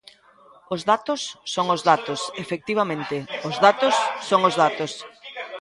Os datos son os datos; efectivamente, os datos son os datos.